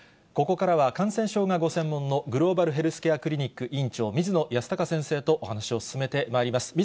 ここからは感染症がご専門のグローバルヘルスケアクリニック院長、水野泰孝先生とお話を進めてまいります。